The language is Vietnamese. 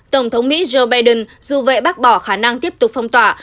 tổng thống mỹ joe biden dù vậy bác bỏ khả năng tiếp tục phong tỏa